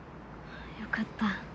よかった。